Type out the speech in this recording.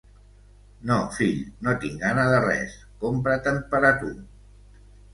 No, fill, no tinc gana de res. Compra-te’n per a tu.